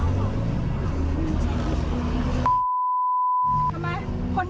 ยังไม่เปล่ายิงข้างเลย